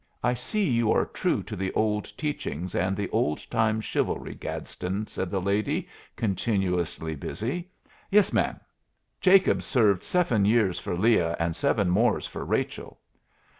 "I see you are true to the old teachings and the old time chivalry, Gadsden," said the lady, continuously busy. "Yes, ma'am. Jacob served seven years for Leah and seven more for Rachel."